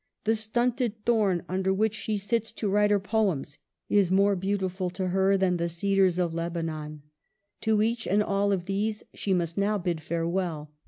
The stunted thorn under which she sits GIRLHOOD AT HA WORTH. 103 to write her poems, is more beautiful to her than the cedars of Lebanon. To each and all of these she must now bid farewell.